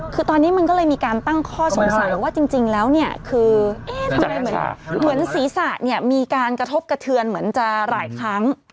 คือตอนนี้มันก็เลยมีการตั้งข้อสงสัยว่าจริงแล้วเนี่ยคือเอ๊ะทำไมเหมือนศีรษะเนี่ยมีการกระทบกระเทือนเหมือนจะหลายครั้ง